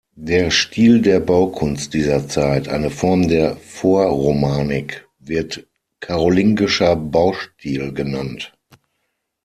Der Stil der Baukunst dieser Zeit, eine Form der Vorromanik, wird „karolingischer Baustil“ genannt.